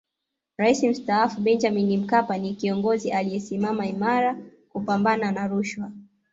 Rais Mstaafu Benjamin Mkapa ni kiongozi aliyesimama imara kupambana na rushwa